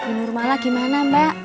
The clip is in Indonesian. ini rumah lagi mana mbak